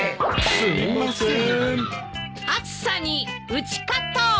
すみません。